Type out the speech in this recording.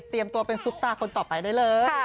ตัวเป็นซุปตาคนต่อไปได้เลย